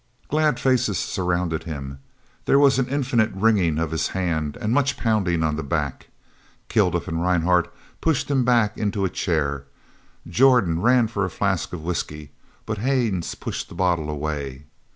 Glad faces surrounded him. There was infinite wringing of his hand and much pounding on the back. Kilduff and Rhinehart pushed him back into a chair. Jordan ran for a flask of whisky, but Haines pushed the bottle away.